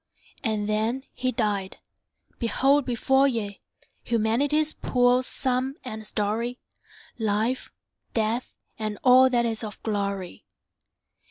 And then he died! Behold before ye Humanity's poor sum and story; Life, Death, and all that is of glory.